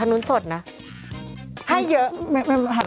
สวัสดีค่ะ